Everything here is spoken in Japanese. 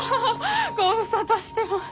ご無沙汰してます。